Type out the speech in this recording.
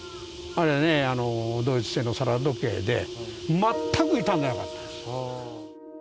あれね、ドイツ製の皿時計で、全く傷んでなかった。